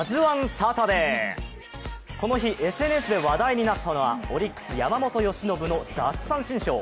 サタデー、この日ＳＮＳで話題になったのはオリックス・山本由伸の奪三振ショー。